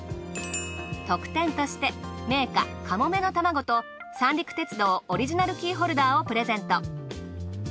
特典として銘菓かもめのたまごと三陸鉄道オリジナルキーホルダーをプレゼント。